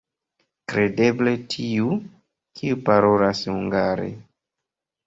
Kredeble tiu, kiu parolas hungare.